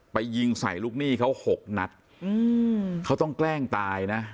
ยิงใส่ลูกหนี้เขาหกนัดอืมเขาต้องแกล้งตายนะ